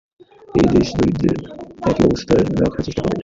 এই দেশ দরিদ্রদের একই অবস্থানে রাখার চেষ্টা করে।